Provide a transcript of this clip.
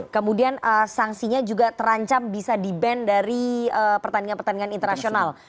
kemudian sanksinya juga terancam bisa di ban dari pertandingan pertandingan internasional